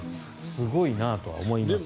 すごいなと思います。